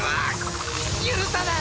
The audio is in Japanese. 許さない！